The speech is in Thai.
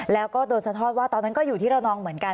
แล้วก็โดนสะทอดว่าตอนนั้นก็อยู่ที่ระนองเหมือนกัน